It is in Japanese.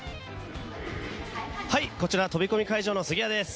こちら飛び込み会場の杉谷です。